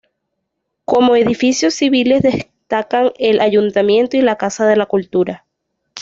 Como edificios civiles destacan el Ayuntamiento y la Casa de la Cultura.